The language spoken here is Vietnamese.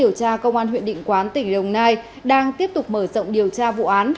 điều tra công an huyện định quán tỉnh đồng nai đang tiếp tục mở rộng điều tra vụ án